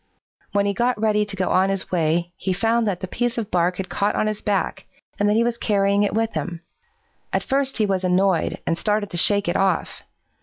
When he got ready to go on his way, he found that the piece of bark had caught on his back, and that he was carrying it with him. At first he was annoyed and started to shake it off.